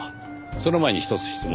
その前に一つ質問を。